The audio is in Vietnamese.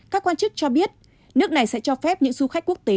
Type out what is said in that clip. các quan chức cho biết nước này sẽ cho phép những du khách quốc tế